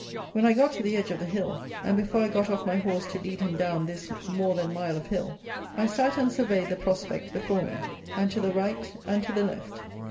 When I got to the edge of the hill, and before I got off my horse to lead him down this more than mile of hill, I sat and surveyed the prospect before me, and to the right and to the left.